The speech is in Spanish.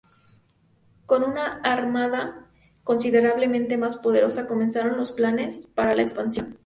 Con una Armada considerablemente más poderosa comenzaron los planes para al expansión.